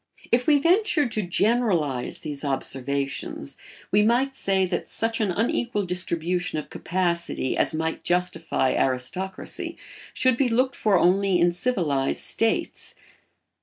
If we ventured to generalise these observations we might say that such an unequal distribution of capacity as might justify aristocracy should be looked for only in civilised states.